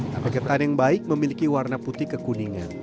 tape ketan yang baik memiliki warna putih kekuningan